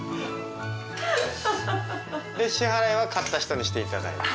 支払いは勝った人にしていただいて。